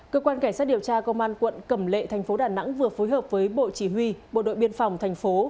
cơ quan cảnh sát điều tra công an quận cầm lệ tp đn vừa phối hợp với bộ chỉ huy bộ đội biên phòng tp